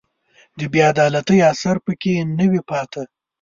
د بې عدالتۍ اثر په کې نه وي پاتې